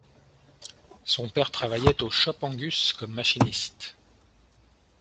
Son père travaillait aux Shop Angus comme machiniste.